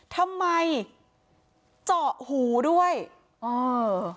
ทำไมเจาะหูด้วยเออ